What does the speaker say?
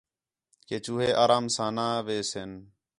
کہ چوہے آرام ساں نا وہ سِن